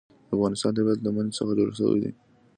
د افغانستان طبیعت له منی څخه جوړ شوی دی.